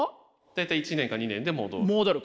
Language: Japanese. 大体１年か２年で戻る。